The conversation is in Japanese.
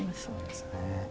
そうですね。